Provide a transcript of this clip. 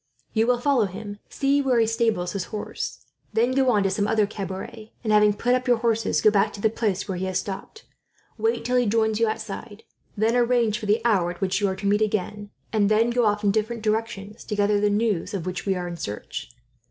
You will follow him, see where he stables his horse, then go on to some other cabaret and, having put up your horses, go back to the place where he has stopped, wait till he joins you outside, then arrange for the hour at which you are to meet again, and then go off in different directions to gather the news of which we are in search.